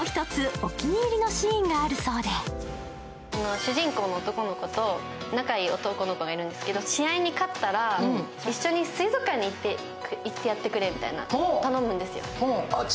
主人公の男の子と仲のいい男の子がいるんですけど、試合に勝ったら一緒に水族館に行ってやってくれみたいな頼むんですよ。